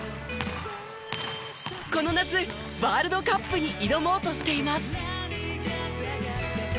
この夏ワールドカップに挑もうとしています。